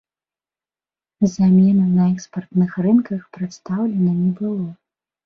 Замены на экспартных рынках прадстаўлена не было.